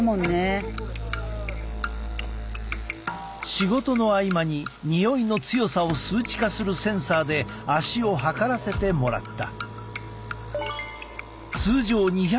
仕事の合間ににおいの強さを数値化するセンサーで足を測らせてもらった。